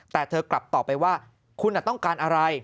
แต่เธอกลับตอบไปว่าคุณต้องการอะไร